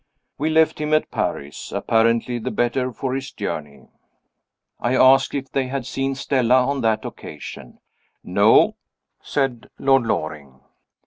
We left him at Paris, apparently the better for his journey." I asked if they had seen Stella on that occasion. "No," said Lord Loring.